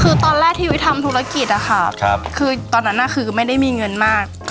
คือตอนแรกที่ยุ้ยทำธุรกิจอะค่ะคือตอนนั้นคือไม่ได้มีเงินมาก